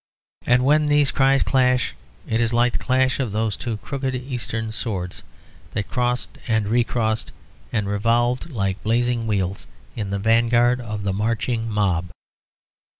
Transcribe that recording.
And when these cries clash it is like the clash of those two crooked Eastern swords, that crossed and recrossed and revolved like blazing wheels, in the vanguard of the marching mob.